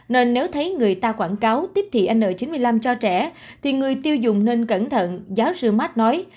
nên nếu thấy người ta quảng cáo tiếp thị n chín mươi năm cho trẻ thì người tiêu dùng nên cẩn thận giáo sư mart nói